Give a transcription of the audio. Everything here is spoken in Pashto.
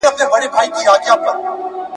چي پراته دي دا ستا تروم په موږ وژلي !.